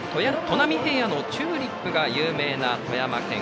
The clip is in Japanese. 砺波平野のチューリップが有名な富山県。